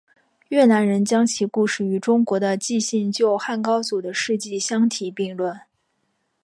越南人将其故事与中国的纪信救汉高祖的事迹相提并论。